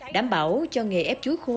đảm bảo cho nghề ép chuối khô